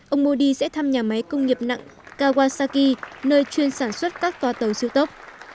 ông modi sẽ thăm nhà máy công nghiệp nặng kawasaki nơi chuyên sản xuất các toa tàu siêu tốc